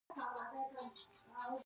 د هلمند سیند تر ټولو اوږد سیند دی